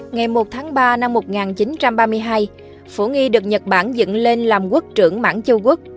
ngày một tháng ba năm một nghìn chín trăm ba mươi hai phổ nghi được nhật bản dựng lên làm quốc trưởng mãng châu quốc